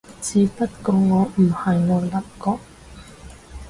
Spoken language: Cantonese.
只不過我唔係愛鄰國